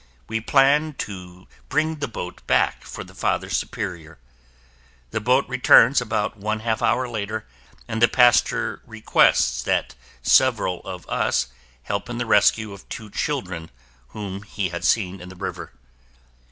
We plan to bring the boat back for the Father Superior. The boat returns about one half hour later and the pastor requests that several of us help in the rescue of two children whom he had seen in the river.